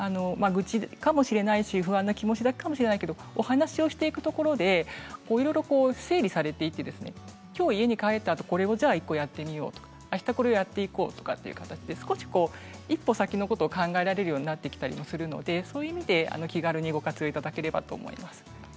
愚痴かもしれないし不安な気持ちかもしれないですがお話をしていろいろ整理されていて今日、家に帰ったあとこれを１個やってみようあしたこれをやっていこうという形で少し一歩先のことを考えられるようになったりするので気軽にご活用いただければと思います。